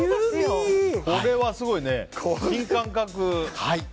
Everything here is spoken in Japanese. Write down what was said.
これはすごいね、新感覚。